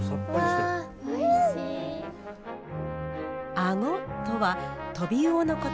あごとはトビウオのこと。